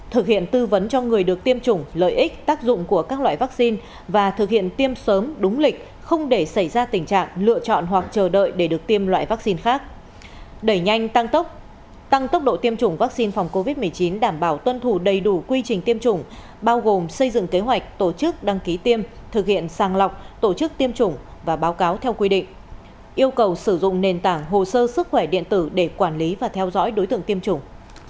thực hiện tư vấn cho người được tiêm chủng lợi ích tác dụng của các loại vaccine và thực hiện tiêm sớm đúng lịch không để xảy ra tình trạng lựa chọn hoặc chờ đợi để được tiêm loại vaccine khác đẩy nhanh tăng tốc tăng tốc độ tiêm chủng vaccine phòng covid một mươi chín đảm bảo tuân thủ đầy đủ quy trình tiêm chủng bao gồm xây dựng kế hoạch tổ chức đăng ký tiêm thực hiện sàng lọc tổ chức tiêm chủng và báo cáo theo quy định yêu cầu sử dụng nền tảng hồ sơ sức khỏe điện tử để quản lý và theo dõi đối tượng tiêm chủng